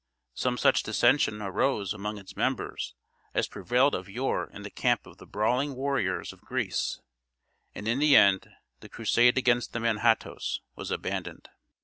Some such dissension arose among its members as prevailed of yore in the camp of the brawling warriors of Greece, and in the end the crusade against the Manhattoes was abandoned.